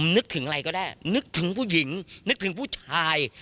นึกถึงอะไรก็ได้นึกถึงผู้หญิงนึกถึงผู้ชาย